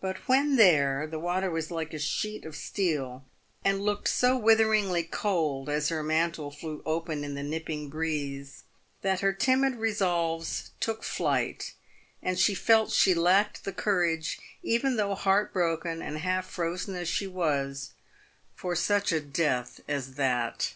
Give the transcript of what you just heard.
But when there, the water was like a sheet of steel, and looked so witheringly cold as her mantle flew open in the nipping breeze, that her timid resolves took flight, and she felt she lacked the courage, even though heart broken and half frozen as she was, for such a death as that.